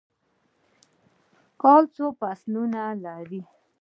کال څو فصلونه لري؟